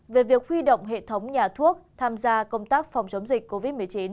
về việc huy động hệ thống nhà thuốc tham gia công tác phòng chống dịch covid một mươi chín